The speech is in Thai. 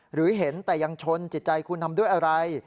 หรือเห็นแต่ยังชนจิตใจคุณทำด้วยอะไร